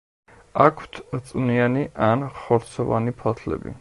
აქვთ წვნიანი ან ხორცოვანი ფოთლები.